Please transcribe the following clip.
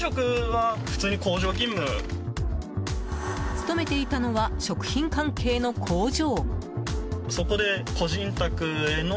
勤めていたのは食品関係の工場。